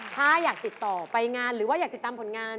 ถ้าอยากติดต่อไปงานหรือว่าอยากติดตามผลงาน